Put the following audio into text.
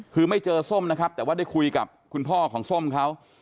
คือไม่เจอส้มนะครับแต่ว่าได้คุยกับคุณพ่อของส้มเขา